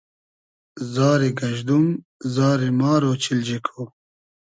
زاری گئژدوم ، زاری مار اۉچیلجی کو